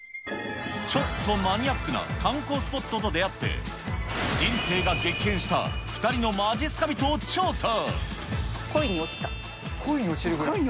ちょっとマニアックな観光スポットと出会って、人生が激変した２人のまじっすか人を調査。